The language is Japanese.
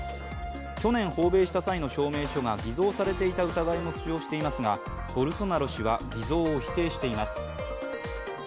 去年訪米した際の証明書が偽造されていた疑いも浮上していますが、ボルソナロ氏は偽造を否定しています。